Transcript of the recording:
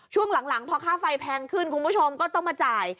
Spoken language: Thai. ช่วงหลังพอค่าไฟแพงขึ้นคุณผู้ชมก็ต้องมาจ่าย